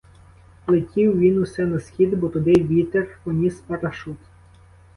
Летів він усе на схід, бо туди вітер поніс парашут.